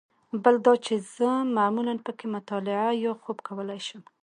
بل دا چې زه معمولاً په کې مطالعه یا خوب کولای شم.